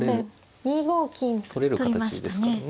取れる形ですからね。